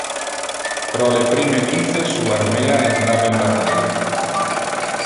Pro le prime vice, su armea entrava in battalia.